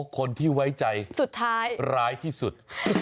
คนที่ไว้ใจร้ายที่สุด